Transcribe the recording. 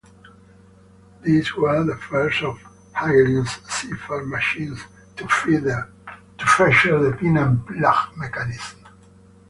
These were the first of Hagelin's cipher machines to feature the pin-and-lug mechanism.